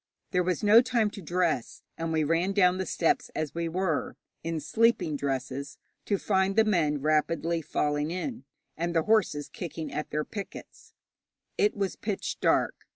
There was no time to dress, and we ran down the steps as we were (in sleeping dresses), to find the men rapidly falling in, and the horses kicking at their pickets. It was pitch dark.